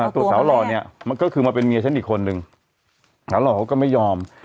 ตัวสาวหล่อเนี่ยมันก็คือมาเป็นเมียฉันอีกคนนึงสาวหล่อเขาก็ไม่ยอม